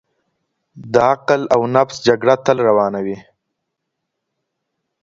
د عقل او نفس جګړه تل روانه وي.